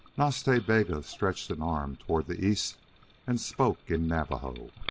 Nas Ta Bega stretched an arm toward the east, and spoke in Navajo.